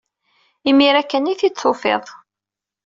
Imir-a kan ay t-id-tufiḍ.